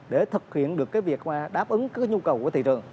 để thực hiện được việc đáp ứng các nhu cầu của thị trường